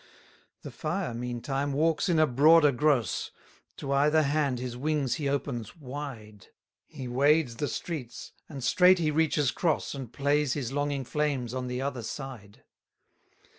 233 The fire, meantime, walks in a broader gross; To either hand his wings he opens wide: He wades the streets, and straight he reaches cross, And plays his longing flames on the other side.